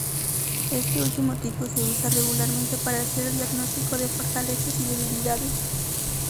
Este último tipo se usa regularmente para hacer diagnóstico de fortalezas y debilidades.